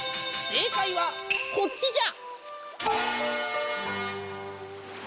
正解はこっちじゃ。